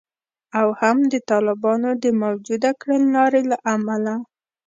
او هم د طالبانو د موجوده کړنلارې له امله